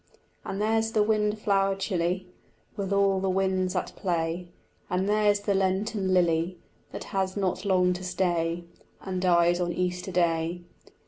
And there's the windflower chilly With all the winds at play, And there's the Lenten lily That has not long to stay And dies on Easter day.